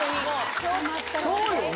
そうよね。